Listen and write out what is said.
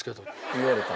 言われた。